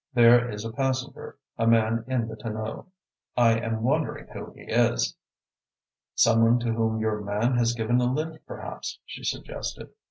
There is a passenger a man in the tonneau. I am wondering who he is." "Some one to whom your man has given a lift, perhaps," she suggested.